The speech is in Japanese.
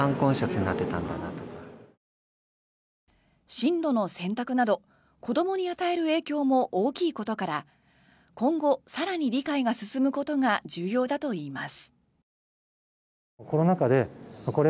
進路の選択など子どもに与える影響も大きいことから今後、更に理解が進むことが重要だといいます。